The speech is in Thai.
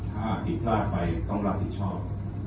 ถ้าอาจถิดล่ากลายต้องรับสิทธิ์ชอบ